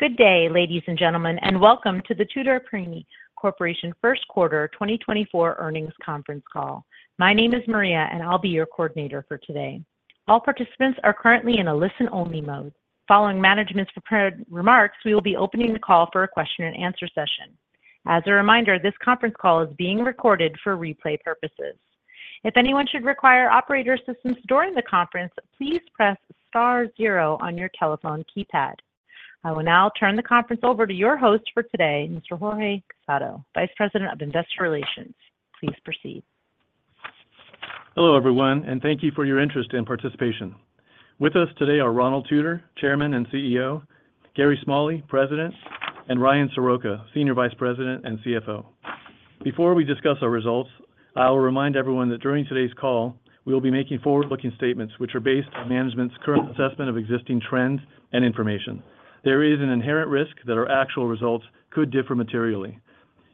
Good day, ladies and gentlemen, and welcome to the Tutor Perini Corporation First Quarter 2024 Earnings Conference Call. My name is Maria, and I'll be your coordinator for today. All participants are currently in a listen-only mode. Following management's prepared remarks, we will be opening the call for a question-and-answer session. As a reminder, this conference call is being recorded for replay purposes. If anyone should require operator assistance during the conference, please press star zero on your telephone keypad. I will now turn the conference over to your host for today, Mr. Jorge Casado, Vice President of Investor Relations. Please proceed. Hello everyone, and thank you for your interest and participation. With us today are Ronald Tutor, Chairman and CEO; Gary Smalley, President; and Ryan Soroka, Senior Vice President and CFO. Before we discuss our results, I will remind everyone that during today's call we will be making forward-looking statements which are based on management's current assessment of existing trends and information. There is an inherent risk that our actual results could differ materially.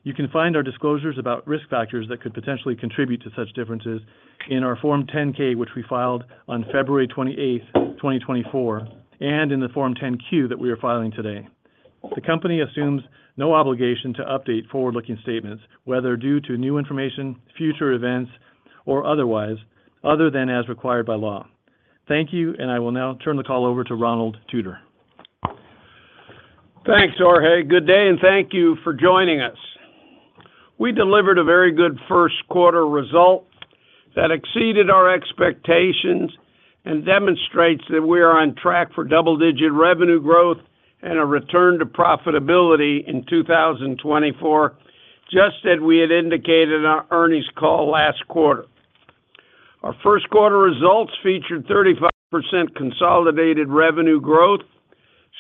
You can find our disclosures about risk factors that could potentially contribute to such differences in our Form 10-K, which we filed on February 28th, 2024, and in the Form 10-Q that we are filing today. The company assumes no obligation to update forward-looking statements, whether due to new information, future events, or otherwise, other than as required by law. Thank you, and I will now turn the call over to Ronald Tutor. Thanks, Jorge. Good day, and thank you for joining us. We delivered a very good first quarter result that exceeded our expectations and demonstrates that we are on track for double-digit revenue growth and a return to profitability in 2024, just as we had indicated in our earnings call last quarter. Our first quarter results featured 35% consolidated revenue growth,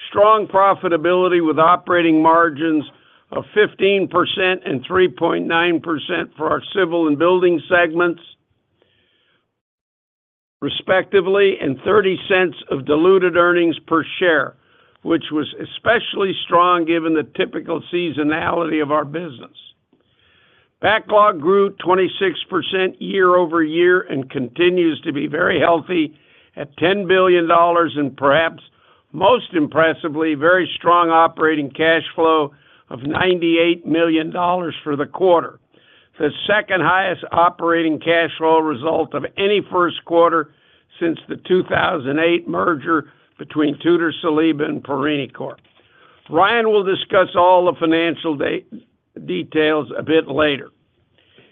strong profitability with operating margins of 15% and 3.9% for our civil and building segments, respectively, and $0.30 of diluted earnings per share, which was especially strong given the typical seasonality of our business. Backlog grew 26% year-over-year and continues to be very healthy at $10 billion and, perhaps most impressively, very strong operating cash flow of $98 million for the quarter, the second highest operating cash flow result of any first quarter since the 2008 merger between Tutor Saliba and Perini Corp. Ryan will discuss all the financial details a bit later.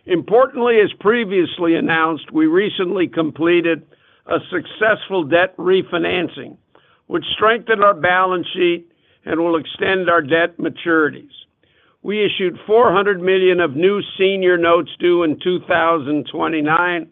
Importantly, as previously announced, we recently completed a successful debt refinancing, which strengthened our balance sheet and will extend our debt maturities. We issued $400 million of new senior notes due in 2029,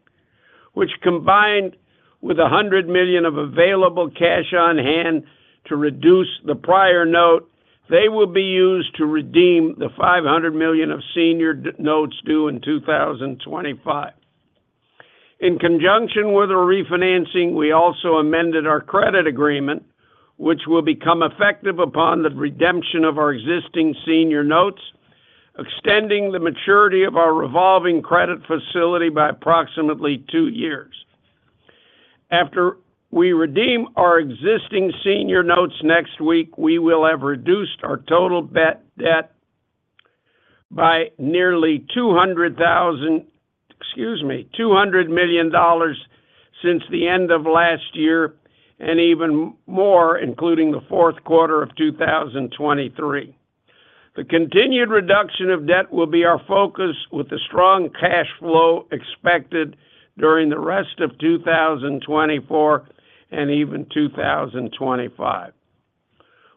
which, combined with $100 million of available cash on hand to reduce the prior note, will be used to redeem the $500 million of senior notes due in 2025. In conjunction with our refinancing, we also amended our credit agreement, which will become effective upon the redemption of our existing senior notes, extending the maturity of our revolving credit facility by approximately two years. After we redeem our existing senior notes next week, we will have reduced our total debt by nearly $200 million since the end of last year and even more, including the fourth quarter of 2023. The continued reduction of debt will be our focus, with a strong cash flow expected during the rest of 2024 and even 2025.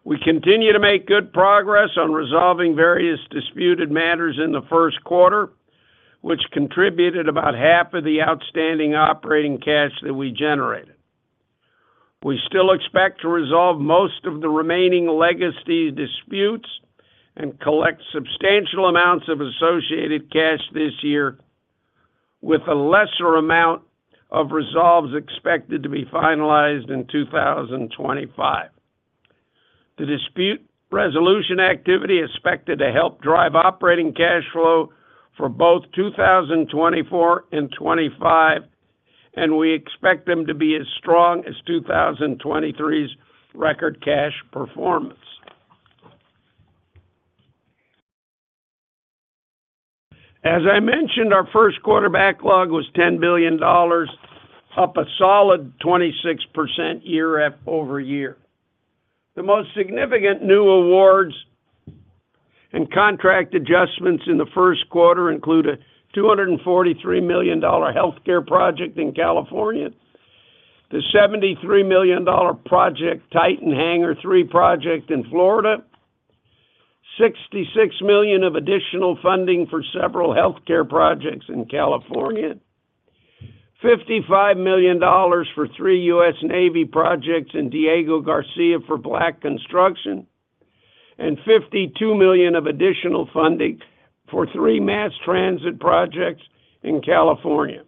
We continue to make good progress on resolving various disputed matters in the first quarter, which contributed about half of the outstanding operating cash that we generated. We still expect to resolve most of the remaining legacy disputes and collect substantial amounts of associated cash this year, with a lesser amount of resolutions expected to be finalized in 2025. The dispute resolution activity is expected to help drive operating cash flow for both 2024 and 2025, and we expect them to be as strong as 2023's record cash performance. As I mentioned, our first quarter backlog was $10 billion, up a solid 26% year-over-year. The most significant new awards and contract adjustments in the first quarter include a $243 million healthcare project in California, the $73 million Project Titan Hangar 3 project in Florida, $66 million of additional funding for several healthcare projects in California, $55 million for three U.S. Navy projects in Diego Garcia for Black Construction, and $52 million of additional funding for three mass transit projects in California.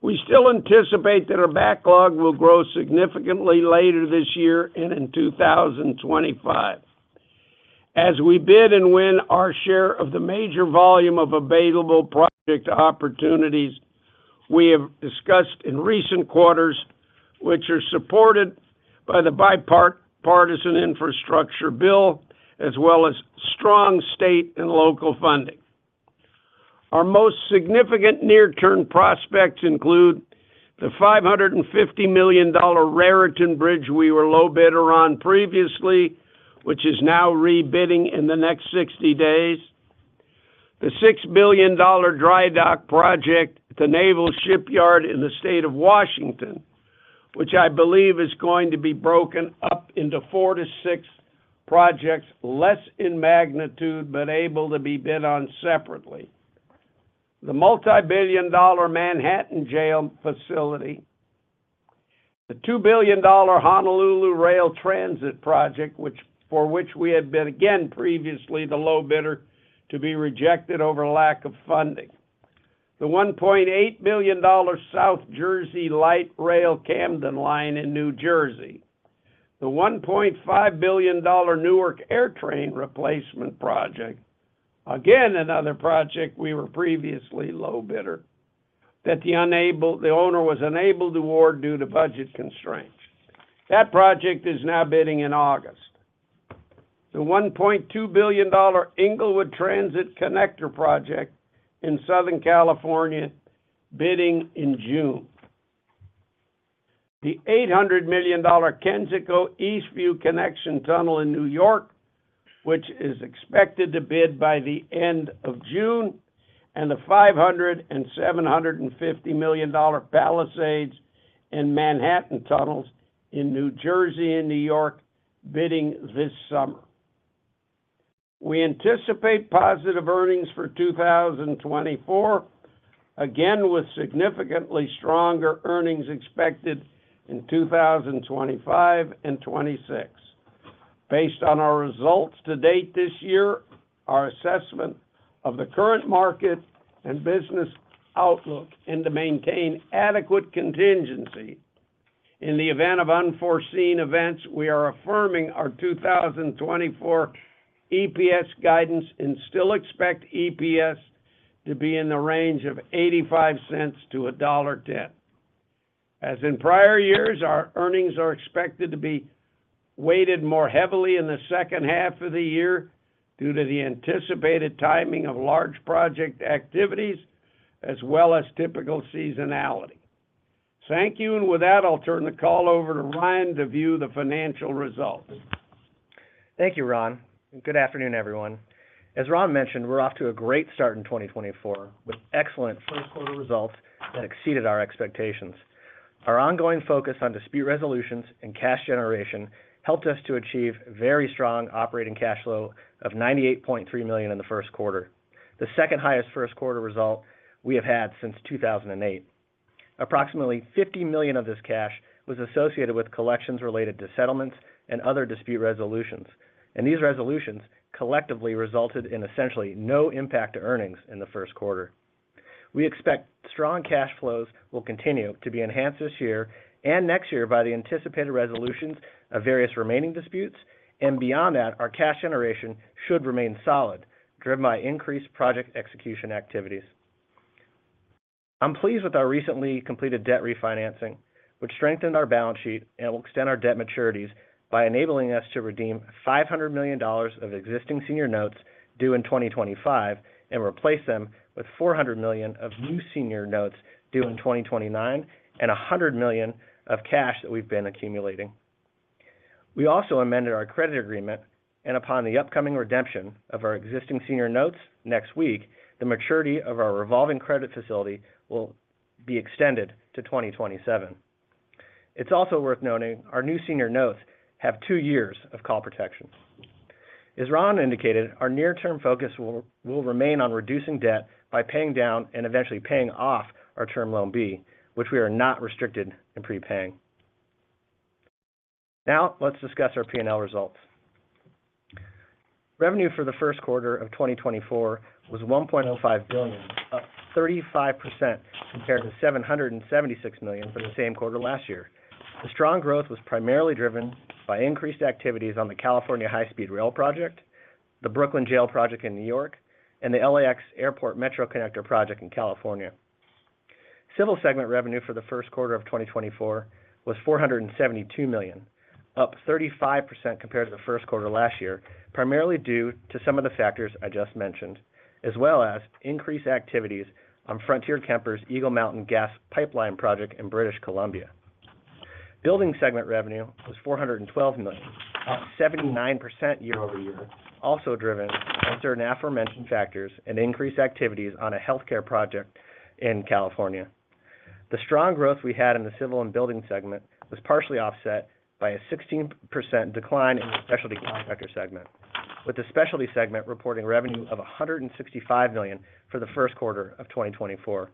We still anticipate that our backlog will grow significantly later this year and in 2025. As we bid and win our share of the major volume of available project opportunities, we have discussed in recent quarters, which are supported by the bipartisan infrastructure bill as well as strong state and local funding. Our most significant near-term prospects include the $550 million Raritan River Bridge we were low bidder on previously, which is now rebidding in the next 60 days, the $6 billion Dry Dock Project at the Naval Shipyard in the state of Washington, which I believe is going to be broken up into 4-6 projects, less in magnitude but able to be bid on separately, the multi-billion dollar Manhattan Jail Facility, the $2 billion Honolulu Rail Transit project, for which we had been again previously the low bidder to be rejected over lack of funding, the $1.8 billion South Jersey Light Rail Camden Line in New Jersey, the $1.5 billion Newark AirTrain replacement project, again another project we were previously low bidder, that the owner was unable to award due to budget constraints. That project is now bidding in August. The $1.2 billion Inglewood Transit Connector project in Southern California, bidding in June. The $800 million Kensico-Eastview Connection Tunnel in New York, which is expected to bid by the end of June, and the $500 million and $750 million Palisades and Manhattan Tunnels in New Jersey and New York, bidding this summer. We anticipate positive earnings for 2024, again with significantly stronger earnings expected in 2025 and 2026. Based on our results to date this year, our assessment of the current market and business outlook and to maintain adequate contingency in the event of unforeseen events, we are affirming our 2024 EPS guidance and still expect EPS to be in the range of $0.85-$1.00. As in prior years, our earnings are expected to be weighted more heavily in the second half of the year due to the anticipated timing of large project activities as well as typical seasonality. Thank you, and with that, I'll turn the call over to Ryan to view the financial results. Thank you, Ron. Good afternoon, everyone. As Ron mentioned, we're off to a great start in 2024 with excellent first quarter results that exceeded our expectations. Our ongoing focus on dispute resolutions and cash generation helped us to achieve very strong operating cash flow of $98.3 million in the first quarter, the second highest first quarter result we have had since 2008. Approximately $50 million of this cash was associated with collections related to settlements and other dispute resolutions, and these resolutions collectively resulted in essentially no impact to earnings in the first quarter. We expect strong cash flows will continue to be enhanced this year and next year by the anticipated resolutions of various remaining disputes, and beyond that, our cash generation should remain solid, driven by increased project execution activities. I'm pleased with our recently completed debt refinancing, which strengthened our balance sheet and will extend our debt maturities by enabling us to redeem $500 million of existing Senior Notes due in 2025 and replace them with $400 million of new Senior Notes due in 2029 and $100 million of cash that we've been accumulating. We also amended our credit agreement, and upon the upcoming redemption of our existing Senior Notes next week, the maturity of our Revolving Credit Facility will be extended to 2027. It's also worth noting our new Senior Notes have two years of call protection. As Ron indicated, our near-term focus will remain on reducing debt by paying down and eventually paying off our Term Loan B, which we are not restricted in prepaying. Now let's discuss our P&L results. Revenue for the first quarter of 2024 was $1.05 billion, up 35% compared to $776 million for the same quarter last year. The strong growth was primarily driven by increased activities on the California High-Speed Rail project, the Brooklyn Jail project in New York, and the LAX Airport Metro Connector project in California. Civil segment revenue for the first quarter of 2024 was $472 million, up 35% compared to the first quarter last year, primarily due to some of the factors I just mentioned, as well as increased activities on Frontier-Kemper's Eagle Mountain Gas Pipeline project in British Columbia. Building segment revenue was $412 million, up 79% year over year, also driven by certain aforementioned factors and increased activities on a healthcare project in California. The strong growth we had in the civil and building segment was partially offset by a 16% decline in the specialty contractor segment, with the specialty segment reporting revenue of $165 million for the first quarter of 2024.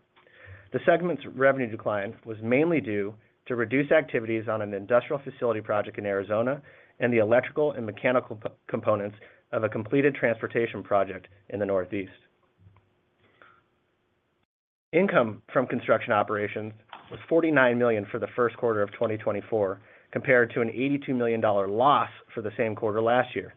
The segment's revenue decline was mainly due to reduced activities on an industrial facility project in Arizona and the electrical and mechanical components of a completed transportation project in the Northeast. Income from construction operations was $49 million for the first quarter of 2024, compared to an $82 million loss for the same quarter last year.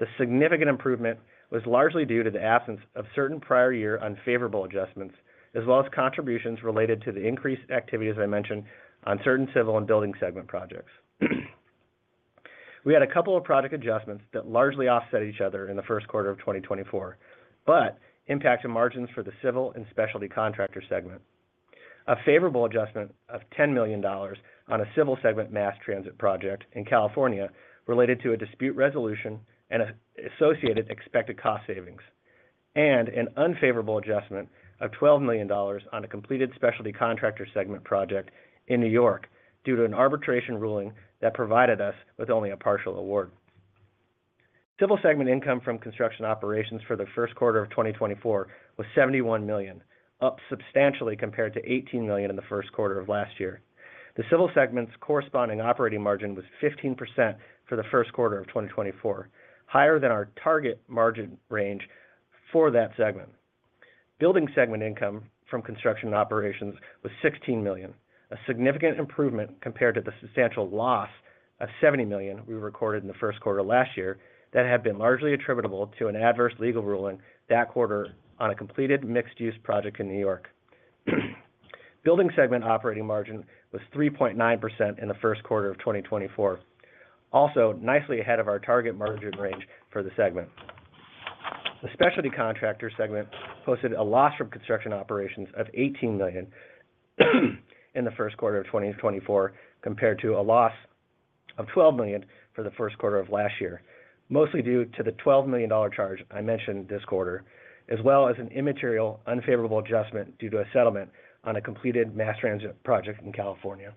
The significant improvement was largely due to the absence of certain prior year unfavorable adjustments, as well as contributions related to the increased activities, as I mentioned, on certain civil and building segment projects. We had a couple of project adjustments that largely offset each other in the first quarter of 2024, but impacted margins for the civil and specialty contractor segment. A favorable adjustment of $10 million on a civil segment mass transit project in California related to a dispute resolution and associated expected cost savings, and an unfavorable adjustment of $12 million on a completed specialty contractor segment project in New York due to an arbitration ruling that provided us with only a partial award. Civil segment income from construction operations for the first quarter of 2024 was $71 million, up substantially compared to $18 million in the first quarter of last year. The civil segment's corresponding operating margin was 15% for the first quarter of 2024, higher than our target margin range for that segment. Building segment income from construction operations was $16 million, a significant improvement compared to the substantial loss of $70 million we recorded in the first quarter last year that had been largely attributable to an adverse legal ruling that quarter on a completed mixed-use project in New York. Building segment operating margin was 3.9% in the first quarter of 2024, also nicely ahead of our target margin range for the segment. The specialty contractor segment posted a loss from construction operations of $18 million in the first quarter of 2024, compared to a loss of $12 million for the first quarter of last year, mostly due to the $12 million charge I mentioned this quarter, as well as an immaterial unfavorable adjustment due to a settlement on a completed mass transit project in California.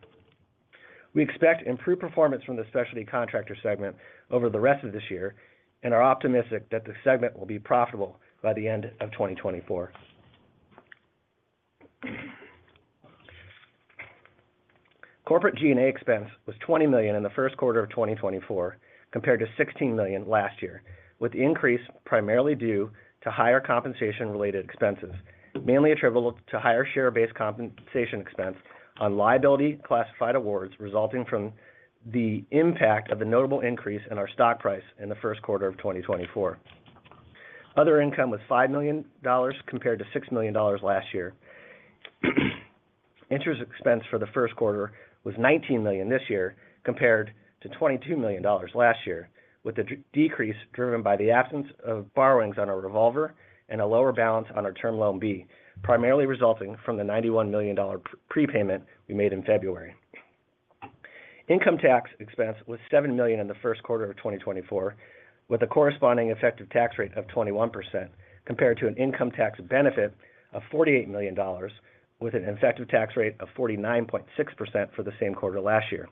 We expect improved performance from the specialty contractor segment over the rest of this year, and are optimistic that the segment will be profitable by the end of 2024. Corporate G&A expense was $20 million in the first quarter of 2024, compared to $16 million last year, with the increase primarily due to higher compensation-related expenses, mainly attributable to higher share-based compensation expense on liability classified awards resulting from the impact of the notable increase in our stock price in the first quarter of 2024. Other income was $5 million compared to $6 million last year. Interest expense for the first quarter was $19 million this year, compared to $22 million last year, with the decrease driven by the absence of borrowings on our revolver and a lower balance on our Term Loan B, primarily resulting from the $91 million prepayment we made in February. Income tax expense was $7 million in the first quarter of 2024, with a corresponding effective tax rate of 21%, compared to an income tax benefit of $48 million, with an effective tax rate of 49.6% for the same quarter last year.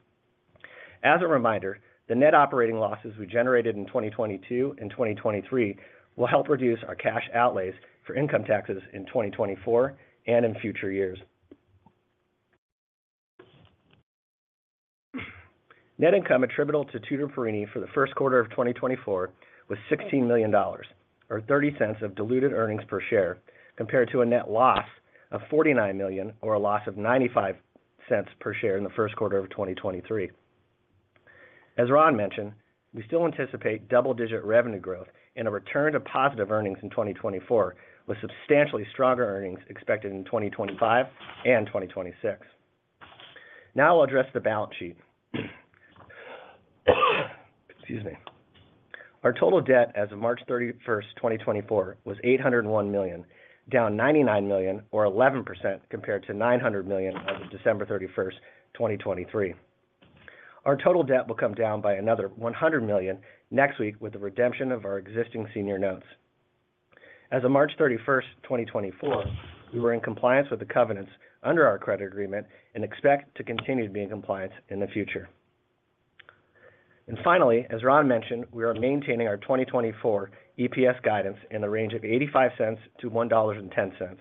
As a reminder, the net operating losses we generated in 2022 and 2023 will help reduce our cash outlays for income taxes in 2024 and in future years. Net income attributable to Tutor Perini for the first quarter of 2024 was $16 million, or $0.30 of diluted earnings per share, compared to a net loss of $49 million or a loss of $0.95 per share in the first quarter of 2023. As Ron mentioned, we still anticipate double-digit revenue growth and a return to positive earnings in 2024, with substantially stronger earnings expected in 2025 and 2026. Now I'll address the balance sheet. Excuse me. Our total debt as of March 31st, 2024, was $801 million, down $99 million or 11% compared to $900 million as of December 31st, 2023. Our total debt will come down by another $100 million next week, with the redemption of our existing senior notes. As of March 31st, 2024, we were in compliance with the covenants under our credit agreement and expect to continue to be in compliance in the future. Finally, as Ron mentioned, we are maintaining our 2024 EPS guidance in the range of $0.85-$1.10.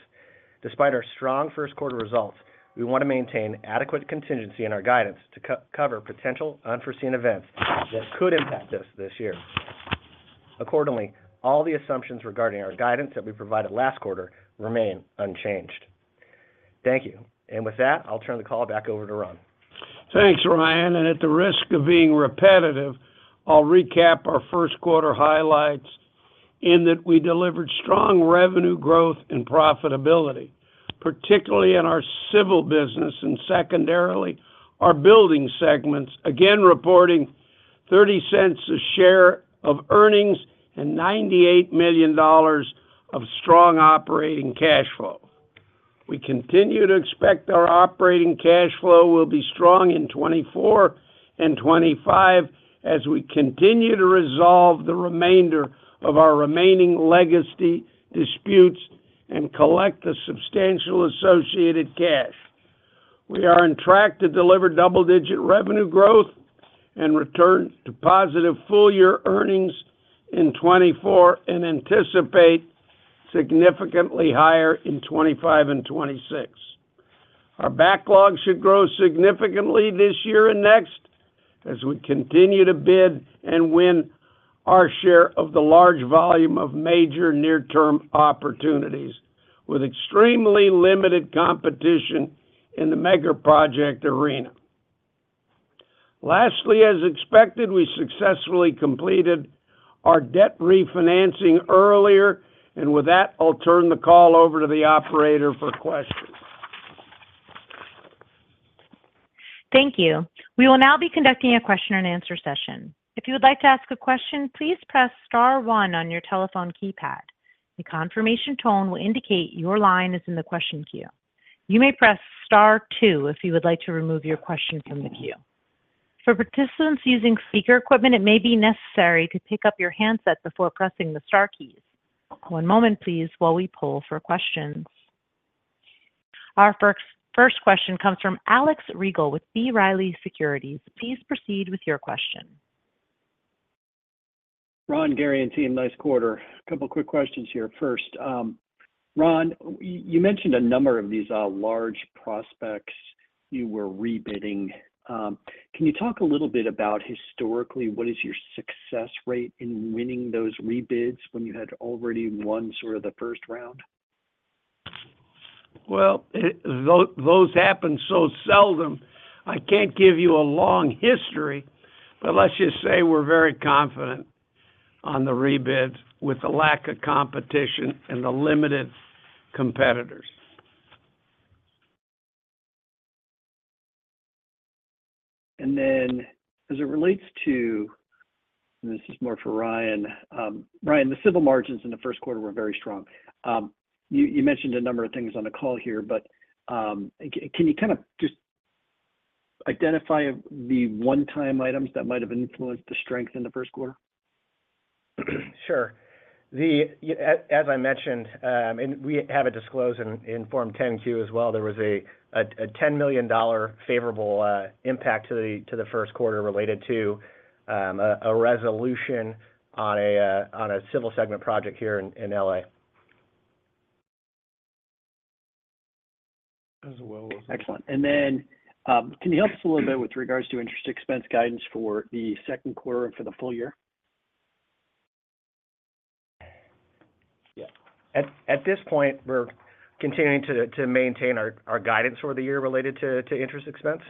Despite our strong first quarter results, we want to maintain adequate contingency in our guidance to cover potential unforeseen events that could impact us this year. Accordingly, all the assumptions regarding our guidance that we provided last quarter remain unchanged. Thank you. With that, I'll turn the call back over to Ron. Thanks, Ryan. And at the risk of being repetitive, I'll recap our first quarter highlights in that we delivered strong revenue growth and profitability, particularly in our civil business and secondarily our building segments, again reporting $0.30 a share of earnings and $98 million of strong operating cash flow. We continue to expect our operating cash flow will be strong in 2024 and 2025 as we continue to resolve the remainder of our remaining legacy disputes and collect the substantial associated cash. We are on track to deliver double-digit revenue growth and return to positive full-year earnings in 2024 and anticipate significantly higher in 2025 and 2026. Our backlog should grow significantly this year and next as we continue to bid and win our share of the large volume of major near-term opportunities, with extremely limited competition in the mega project arena. Lastly, as expected, we successfully completed our debt refinancing earlier, and with that, I'll turn the call over to the operator for questions. Thank you. We will now be conducting a question-and-answer session. If you would like to ask a question, please press star one on your telephone keypad. The confirmation tone will indicate your line is in the question queue. You may press star two if you would like to remove your question from the queue. For participants using speaker equipment, it may be necessary to pick up your handset before pressing the star keys. One moment, please, while we pull for questions. Our first question comes from Alex Rygiel with B. Riley Securities. Please proceed with your question. Ron, Gary and team, nice quarter. A couple of quick questions here. First, Ron, you mentioned a number of these large prospects you were rebidding. Can you talk a little bit about, historically, what is your success rate in winning those rebids when you had already won sort of the first round? Well, those happen so seldom. I can't give you a long history, but let's just say we're very confident on the rebids with the lack of competition and the limited competitors. And then, as it relates to, and this is more for Ryan. Ryan, the civil margins in the first quarter were very strong. You mentioned a number of things on the call here, but can you kind of just identify the one-time items that might have influenced the strength in the first quarter? Sure. As I mentioned, and we have it disclosed in Form 10-Q as well, there was a $10 million favorable impact to the first quarter related to a resolution on a civil segment project here in L.A. Excellent. And then can you help us a little bit with regards to interest expense guidance for the second quarter and for the full year? Yeah. At this point, we're continuing to maintain our guidance for the year related to interest expense.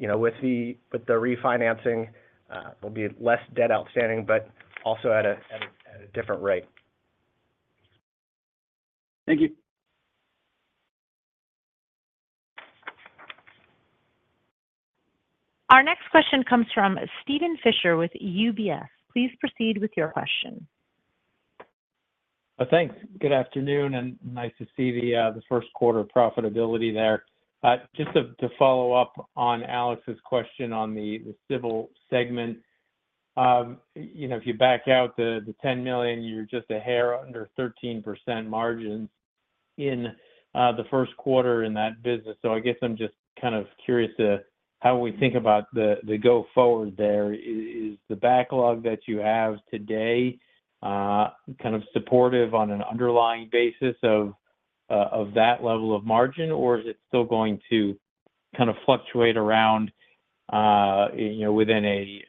With the refinancing, there'll be less debt outstanding, but also at a different rate. Thank you. Our next question comes from Steven Fisher with UBS. Please proceed with your question. Thanks. Good afternoon, and nice to see the first quarter profitability there. Just to follow up on Alex's question on the civil segment, if you back out the $10 million, you're just a hair under 13% margins in the first quarter in that business. So I guess I'm just kind of curious how we think about the go-forward there. Is the backlog that you have today kind of supportive on an underlying basis of that level of margin, or is it still going to kind of fluctuate around within a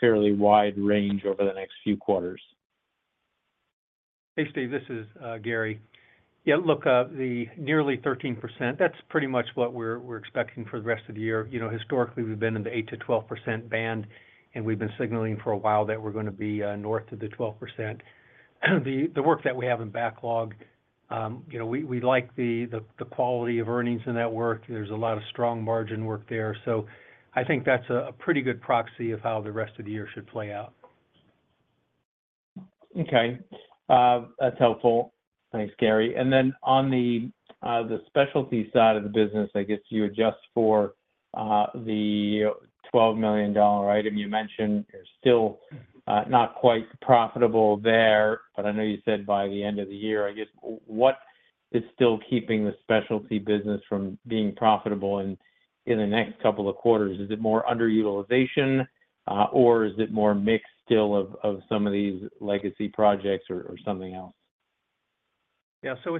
fairly wide range over the next few quarters? Hey, Steve. This is Gary. Yeah, look, the nearly 13%, that's pretty much what we're expecting for the rest of the year. Historically, we've been in the 8%-12% band, and we've been signaling for a while that we're going to be north of the 12%. The work that we have in backlog, we like the quality of earnings in that work. There's a lot of strong margin work there. So I think that's a pretty good proxy of how the rest of the year should play out. Okay. That's helpful. Thanks, Gary. And then on the specialty side of the business, I guess you adjust for the $12 million item. You mentioned you're still not quite profitable there, but I know you said by the end of the year. I guess what is still keeping the specialty business from being profitable in the next couple of quarters? Is it more underutilization, or is it more mixed still of some of these legacy projects or something else? Yeah. So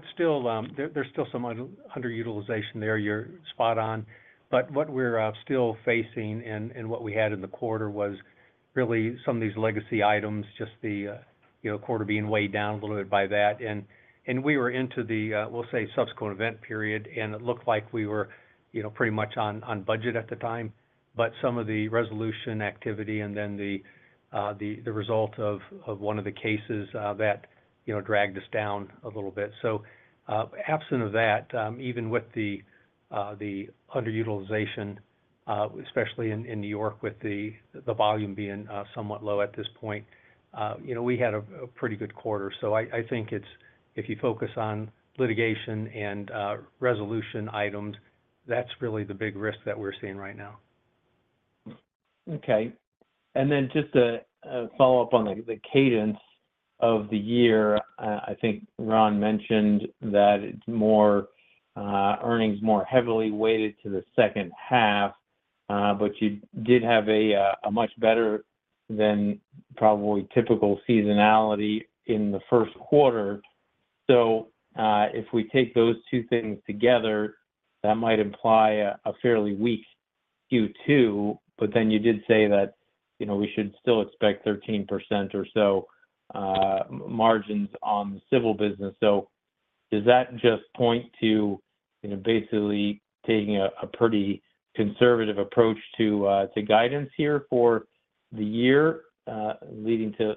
there's still some underutilization there. You're spot on. But what we're still facing and what we had in the quarter was really some of these legacy items, just the quarter being weighed down a little bit by that. And we were into the, we'll say, subsequent event period, and it looked like we were pretty much on budget at the time. But some of the resolution activity and then the result of one of the cases that dragged us down a little bit. So absent of that, even with the underutilization, especially in New York with the volume being somewhat low at this point, we had a pretty good quarter. So I think if you focus on litigation and resolution items, that's really the big risk that we're seeing right now. Okay. And then just to follow up on the cadence of the year, I think Ron mentioned that earnings more heavily weighted to the second half, but you did have a much better than probably typical seasonality in the first quarter. So if we take those two things together, that might imply a fairly weak Q2, but then you did say that we should still expect 13% or so margins on the civil business. So does that just point to basically taking a pretty conservative approach to guidance here for the year, leading to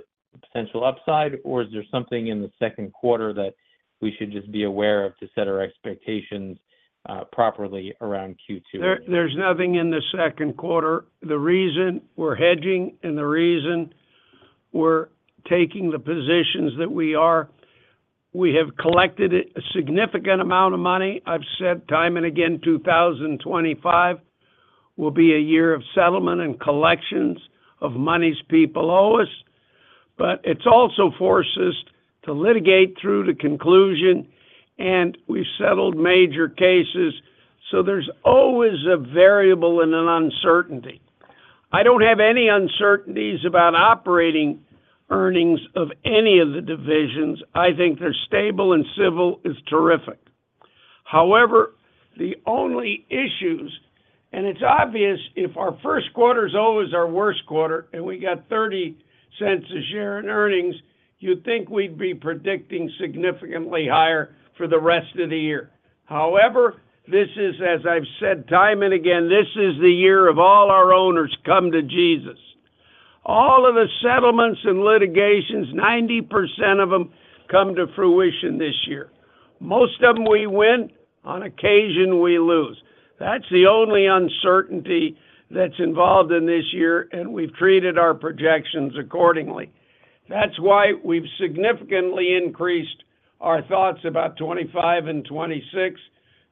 potential upside, or is there something in the second quarter that we should just be aware of to set our expectations properly around Q2? There's nothing in the second quarter. The reason we're hedging and the reason we're taking the positions that we are, we have collected a significant amount of money. I've said time and again, 2025 will be a year of settlement and collections of money's people owe us. But it's also forced us to litigate through to conclusion, and we've settled major cases. So there's always a variable and an uncertainty. I don't have any uncertainties about operating earnings of any of the divisions. I think they're stable, and civil is terrific. However, the only issues, and it's obvious if our first quarter's always our worst quarter, and we got $0.30 a share in earnings, you'd think we'd be predicting significantly higher for the rest of the year. However, this is, as I've said time and again, this is the year of all our owners come to Jesus. All of the settlements and litigations, 90% of them come to fruition this year. Most of them we win. On occasion, we lose. That's the only uncertainty that's involved in this year, and we've treated our projections accordingly. That's why we've significantly increased our thoughts about 2025 and 2026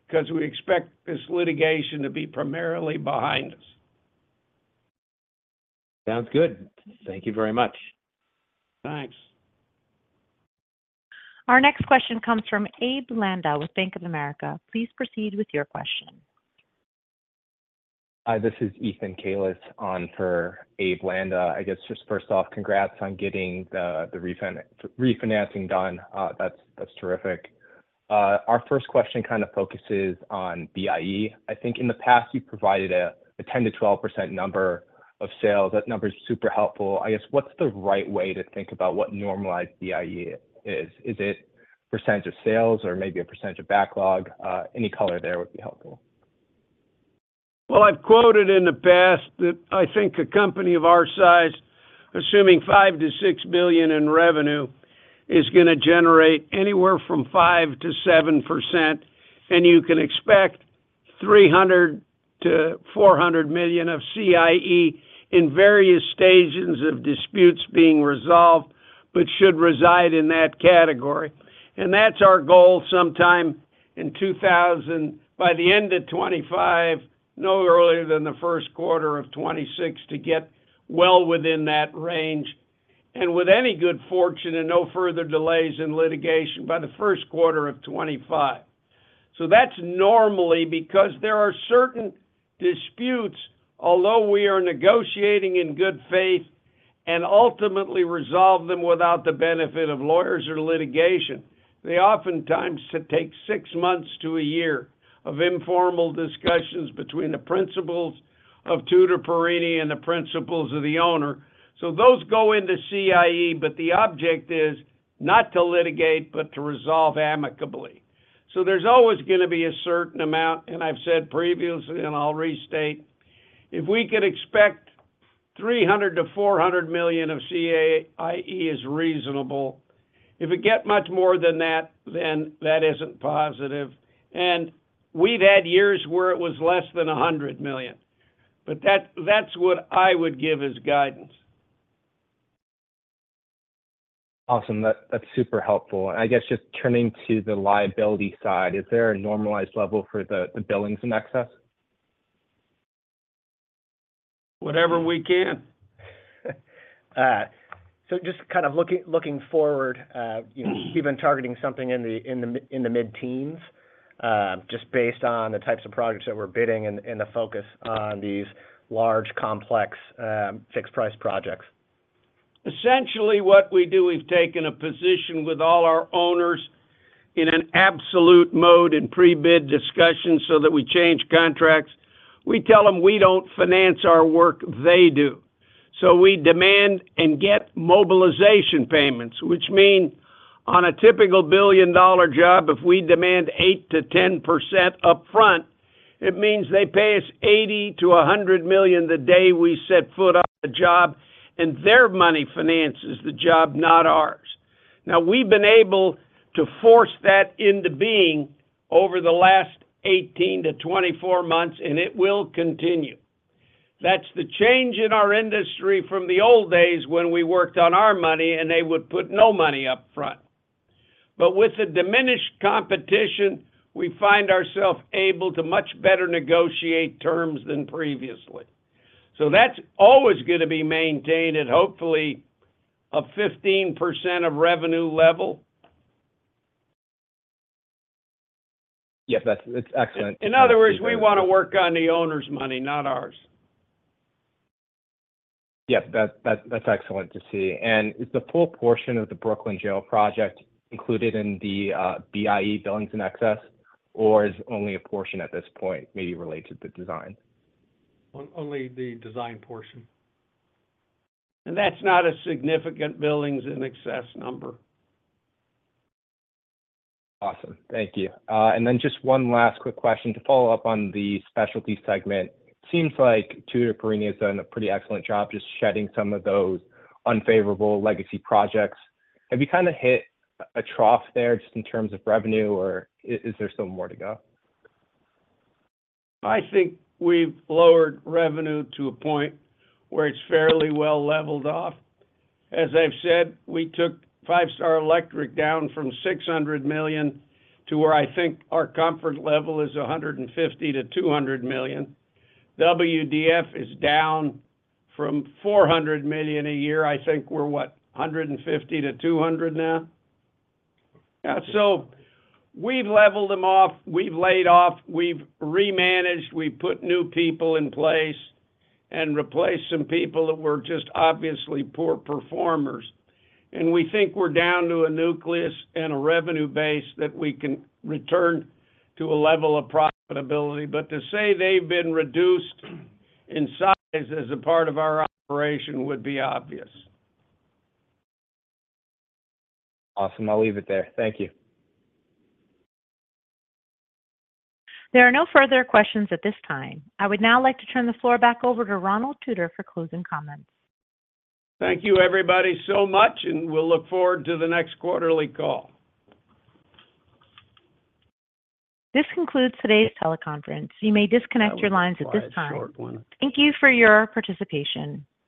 because we expect this litigation to be primarily behind us. Sounds good. Thank you very much. Thanks. Our next question comes from Abe Landa with Bank of America. Please proceed with your question. Hi. This is Ethan Kalis on for Abe Landa. I guess just first off, congrats on getting the refinancing done. That's terrific. Our first question kind of focuses on BIE. I think in the past, you provided a 10%-12% number of sales. That number is super helpful. I guess what's the right way to think about what normalized BIE is? Is it percentage of sales or maybe a percentage of backlog? Any color there would be helpful. Well, I've quoted in the past that I think a company of our size, assuming $5 million-$6 million in revenue, is going to generate anywhere from 5%-7%, and you can expect $300 million-$400 million of CIE in various stages of disputes being resolved but should reside in that category. And that's our goal sometime in the 2020s by the end of 2025, no earlier than the first quarter of 2026, to get well within that range and with any good fortune and no further delays in litigation by the first quarter of 2025. So that's normally because there are certain disputes, although we are negotiating in good faith, and ultimately resolve them without the benefit of lawyers or litigation. They oftentimes take 6 months to a year of informal discussions between the principals of Tutor Perini and the principals of the owner. So those go into CIE, but the object is not to litigate, but to resolve amicably. So there's always going to be a certain amount, and I've said previously, and I'll restate, if we could expect $300 million-$400 million of CIE is reasonable. If we get much more than that, then that isn't positive. And we've had years where it was less than $100 million. But that's what I would give as guidance. Awesome. That's super helpful. I guess just turning to the liability side, is there a normalized level for the Billings in Excess? Whatever we can. So just kind of looking forward, even targeting something in the mid-teens, just based on the types of projects that we're bidding and the focus on these large, complex fixed-price projects. Essentially, what we do, we've taken a position with all our owners in an absolute mode in pre-bid discussions so that we change contracts. We tell them we don't finance our work. They do. So we demand and get mobilization payments, which mean on a typical billion-dollar job, if we demand 8%-10% upfront, it means they pay us $80 million-$100 million the day we set foot on the job, and their money finances the job, not ours. Now, we've been able to force that into being over the last 18-24 months, and it will continue. That's the change in our industry from the old days when we worked on our money, and they would put no money upfront. But with the diminished competition, we find ourselves able to much better negotiate terms than previously. That's always going to be maintained at hopefully a 15% of revenue level. Yes. That's excellent. In other words, we want to work on the owner's money, not ours. Yes. That's excellent to see. And is the full portion of the Brooklyn Jail project included in the BIE billings in excess, or is only a portion at this point maybe related to the design? Only the design portion. That's not a significant Billings in Excess number. Awesome. Thank you. And then just one last quick question to follow up on the specialty segment. It seems like Tutor Perini has done a pretty excellent job just shedding some of those unfavorable legacy projects. Have you kind of hit a trough there just in terms of revenue, or is there still more to go? I think we've lowered revenue to a point where it's fairly well leveled off. As I've said, we took Five Star Electric down from $600 million to where I think our comfort level is $150 million-$200 million. WDF is down from $400 million a year. I think we're, what, $150 million-$200 million now? Yeah. So we've leveled them off. We've laid off. We've remanaged. We've put new people in place and replaced some people that were just obviously poor performers. And we think we're down to a nucleus and a revenue base that we can return to a level of profitability. But to say they've been reduced in size as a part of our operation would be obvious. Awesome. I'll leave it there. Thank you. There are no further questions at this time. I would now like to turn the floor back over to Ronald Tutor for closing comments. Thank you, everybody, so much, and we'll look forward to the next quarterly call. This concludes today's teleconference. You may disconnect your lines at this time. Oh, I have a short one. Thank you for your participation.